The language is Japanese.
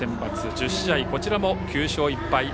１０試合、こちらも９勝１敗。